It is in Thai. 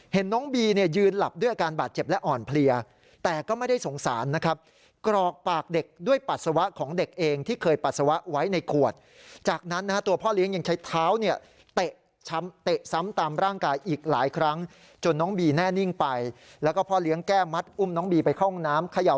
เห็นน้องบีวิรัติด้วยการบาดเจ็บและอ่อนเพลียแต่ก็ไม่ได้สงสารนะครับกรอกปากเด็กด้วยปัสสาวะของเด็กเองที่เคยปัสสาวะไว้ในขวดจากนั้นตัวพ่อเลี้ยงใช้เท้าเนี่ยเตะช้ำ